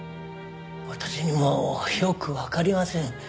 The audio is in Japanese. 私にもよくわかりません。